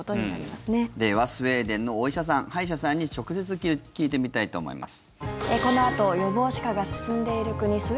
ではスウェーデンのお医者さん歯医者さんに直接聞いてみたいと思います。